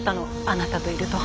あなたといると。